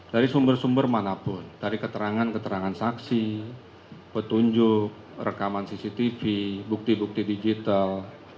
dari sumber sumber manapun dari keterangan keterangan saksi petunjuk rekaman cctv bukti bukti digital